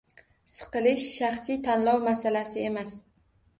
Siqilish – shaxsiy tanlov masalasi emas.